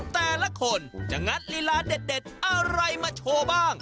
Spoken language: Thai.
แต่ละคนจะงัดลีลาเด็ดอะไรมาโชว์บ้าง